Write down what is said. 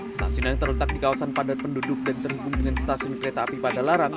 stasiun yang terletak di kawasan padat penduduk dan terhubung dengan stasiun kereta api padalarang